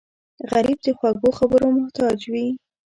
غریب د خوږو خبرو محتاج وي